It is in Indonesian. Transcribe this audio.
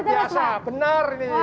wah biasa benar ini